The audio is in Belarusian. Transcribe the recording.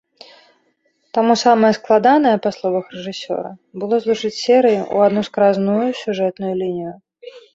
Таму самае складанае, па словах рэжысёра, было злучыць серыі ў адну скразную сюжэтную лінію.